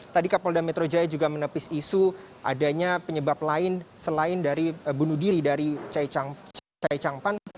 tadi kapolda metro jaya juga menepis isu adanya penyebab lain selain dari bunuh diri dari chai chang pan